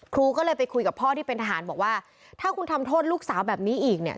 ครูก็เลยไปคุยกับพ่อที่เป็นทหารบอกว่าถ้าคุณทำโทษลูกสาวแบบนี้อีกเนี่ย